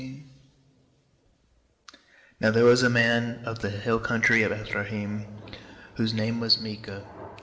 1 *7 Now there was a man of the hill country of Ephraim, whose name was Micah.